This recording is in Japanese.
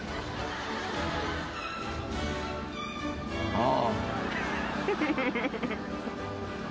ああ。